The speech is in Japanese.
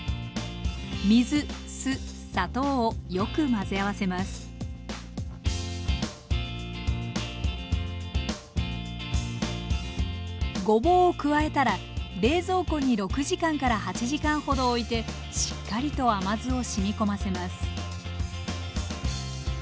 水酢砂糖をよく混ぜ合わせますごぼうを加えたら冷蔵庫に６時間から８時間ほどおいてしっかりと甘酢をしみこませます